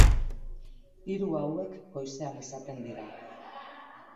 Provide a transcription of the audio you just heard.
Hiru hauek goizean izaten dira.